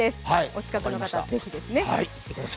お近くの方ぜひです。